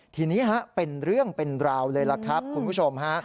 ทีนี้เป็นเรื่องเป็นราวเลยล่ะครับคุณผู้ชมฮะ